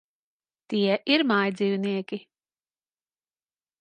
Tie ir mājdzīvnieki.